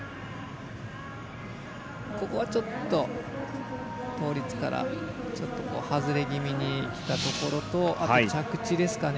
ここはちょっと倒立から外れ気味にきたところとあと、着地ですかね。